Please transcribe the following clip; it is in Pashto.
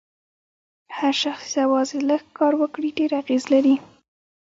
هر شخص یوازې لږ کار وکړي ډېر اغېز لري.